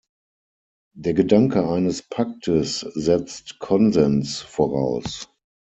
Der Gedanke eines Paktes setzt Konsens voraus.